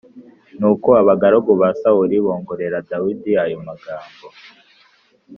Nuko abagaragu ba Sawuli bongorera Dawidi ayo magambo.